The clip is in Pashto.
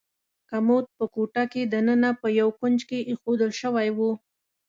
کمود په کوټه کې دننه په یو کونج کې ایښودل شوی و.